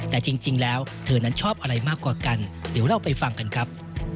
แต่จริงแล้วเธอนั้นชอบอะไรมากกว่ากันเดี๋ยวเราไปฟังกันครับ